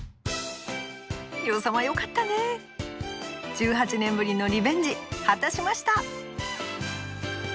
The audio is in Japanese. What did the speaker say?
１８年ぶりのリベンジ果たしました！